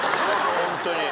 ホントに。